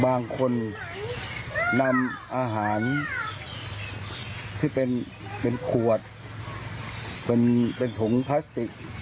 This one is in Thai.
บางคนนำอาหารที่เป็นขวดเป็นถุงพลาสติก